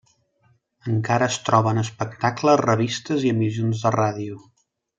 Encara es troba en espectacles, revistes i emissions de ràdio.